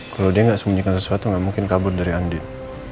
kalo dia gak sembunyikan sesuatu gak mungkin kabur dari andin